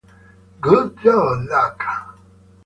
Good job, Luke!